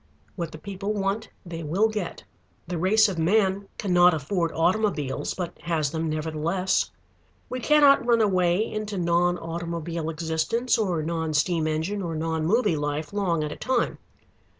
What the people want they will get. The race of man cannot afford automobiles, but has them nevertheless. We cannot run away into non automobile existence or non steam engine or non movie life long at a time.